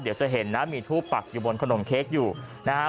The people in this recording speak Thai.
เดี๋ยวจะเห็นนะมีทูบปักอยู่บนขนมเค้กอยู่นะฮะ